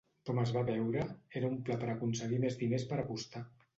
Com es va veure, era un pla per aconseguir més diners per apostar.